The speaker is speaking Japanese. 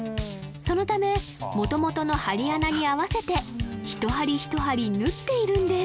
そのため元々の針穴に合わせて一針一針縫っているんです